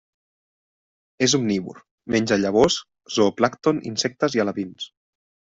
És omnívor: menja llavors, zooplàncton, insectes i alevins.